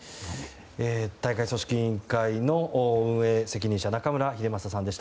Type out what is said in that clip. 大会組織委員会の運営責任者中村英正さんでした。